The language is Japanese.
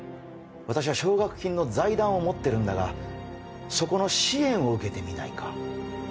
私は奨学金の財団を持ってるんだがそこの支援を受けてみないか？